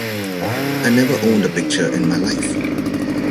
I never owned a picture in my life.